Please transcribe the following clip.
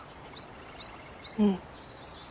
うん。